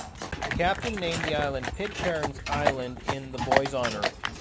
The captain named the island Pitcairn's Island in the boy's honour.